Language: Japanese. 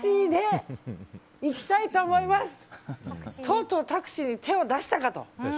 とうとうタクシーに手を出したかと。